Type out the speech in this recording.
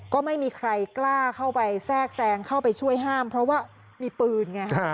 ก็ไม่มีใครกล้าเข้าไปแทรกแซงเข้าไปช่วยห้ามเพราะว่ามีปืนไง